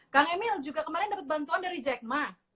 kang emil juga kemarin dapat bantuan dari jackman